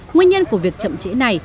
nguyên nhân của việc chậm trễ này